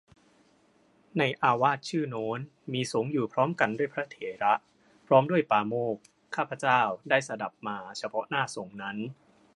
ในอาวาสชื่อโน้น มีสงฆ์อยู่พร้อมด้วยพระเถระ พร้อมด้วยปาโมกข์ ข้าพเจ้าได้สดับมาเฉพาะหน้าสงฆ์นั้น